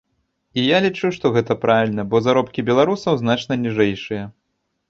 І я лічу, што гэта правільна, бо заробкі беларусаў значна ніжэйшыя.